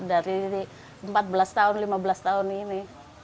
dari empat belas tahun lima belas tahun ini